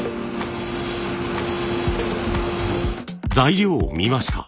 材料を見ました。